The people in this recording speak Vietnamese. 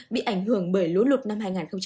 bị ảnh hưởng bởi lũ lụt năm hai nghìn hai mươi